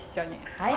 はい！